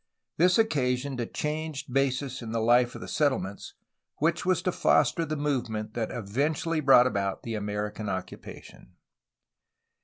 This occasioned a changed basis in the life of the settlements which was to foster the movement that eventually brought about the American occupation.